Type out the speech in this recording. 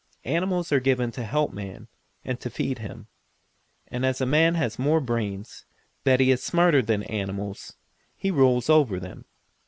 Animals are given to help man, and to feed him. And as a man has more brains that is he is smarter than animals he rules over them.